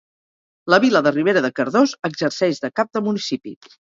La vila de Ribera de Cardós exerceix de cap de municipi.